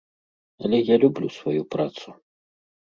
Але я люблю сваю працу.